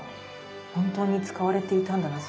本当に使われていたんだな。